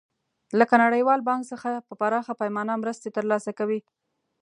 لکه نړیوال بانک څخه په پراخه پیمانه مرستې تر لاسه کوي.